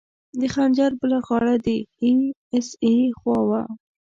د خنجر بله غاړه د ای اس ای خوا وه.